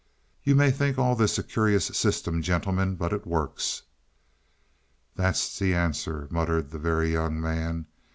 "You may think all this a curious system, gentlemen, but it works." "That's the answer," muttered the Very Young Man.